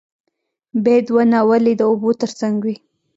بید ونه ولې د اوبو تر څنګ وي؟